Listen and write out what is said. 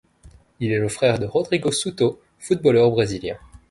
Il est le frère de Rodrigo Souto, footballeur brésilien.